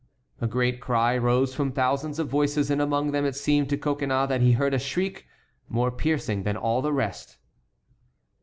A great cry rose from thousands of voices, and, among them, it seemed to Coconnas that he heard a shriek more piercing than all the rest.